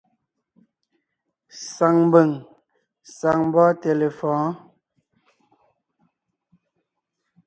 Saŋ mbʉ̀ŋ, saŋ mbɔ́ɔnte lefɔ̌ɔn.